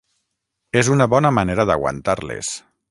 És una bona manera d'aguantar-les.